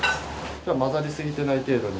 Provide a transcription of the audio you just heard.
混ざりすぎてない程度に。